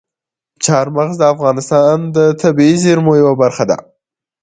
چار مغز د افغانستان د طبیعي زیرمو یوه برخه ده.